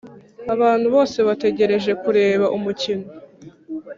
abantu bose bategereje kureba umukino.